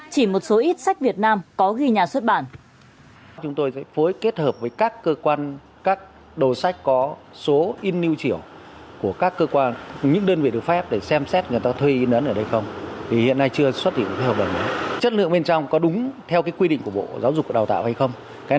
chỉ một số ít sách việt nam có ghi nhà xuất bản